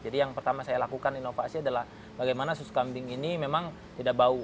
jadi yang pertama saya lakukan inovasi adalah bagaimana susu kambing ini memang tidak bau